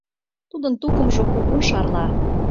Тудын тукымжо кугун шарла.